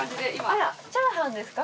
あらチャーハンですか？